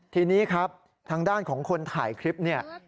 ทีนี้ครับทางด้านของคนถ่ายคลิปเนี่ย